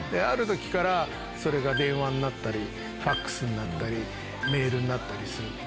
ある時からそれが電話になったりＦＡＸになったりメールになったりする。